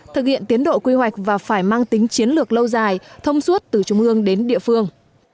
thực hiện tiến độ quy hoạch và phải mang tính chiến lược lâu dài thông suốt từ trung ương đến địa phương